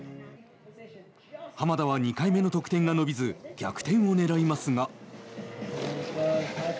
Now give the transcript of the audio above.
浜田は２回目の得点が伸びず逆転を狙いますが。